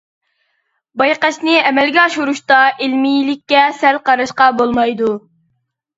بايقاشنى ئەمەلگە ئاشۇرۇشتا ئىلمىيلىككە سەل قاراشقا بولمايدۇ.